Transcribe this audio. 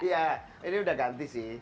ya ini udah ganti sih